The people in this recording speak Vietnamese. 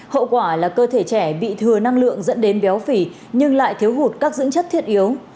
hậu quả là cơ thể trẻ bị thừa năng lượng dẫn đến béo phì nhưng lại thiếu hụt các dưỡng chất thiết yếu